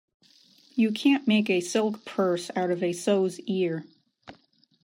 You can't make a silk purse out of a sow's ear.